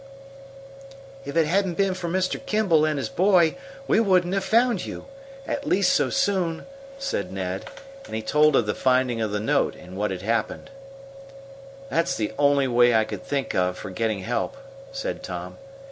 "If it hadn't been for Mr. Kimball and his boy, we wouldn't have found you at least so soon," said Ned, and he told of the finding of the note and what had followed. "That's the only way I could think of for getting help," said Tom.